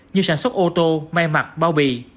như sản xuất ô tô may mặt bao bì